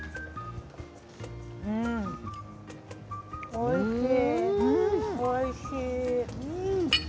おいしい。